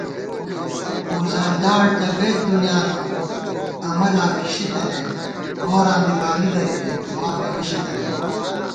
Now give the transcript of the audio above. وُزلداڑ تہ گَئیت دُنیا نہ امہ لا پھِشی تنَئیک * گوراں دی بانی درِمېک دُعاپېمېشی تنَئیک